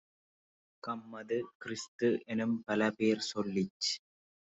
கம்மது, கிறிஸ்து-எனும் பலபேர் சொல்லிச்